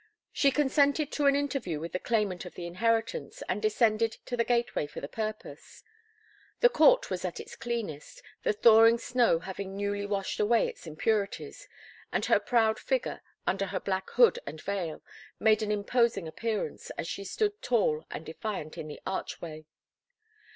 She consented to an interview with the claimant of the inheritance, and descended to the gateway for the purpose. The court was at its cleanest, the thawing snow having newly washed away its impurities, and her proud figure, under her black hood and veil, made an imposing appearance as she stood tall and defiant in the archway.